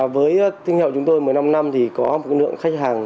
với thương hiệu chúng tôi một mươi năm năm thì có một lượng khách hàng